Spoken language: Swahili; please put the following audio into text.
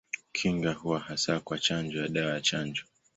Kinga huwa hasa kwa chanjo ya dawa ya chanjo.